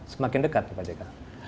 semakin dekat pak jk